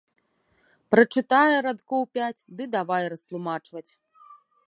Прачытае радкоў пяць ды давай растлумачваць.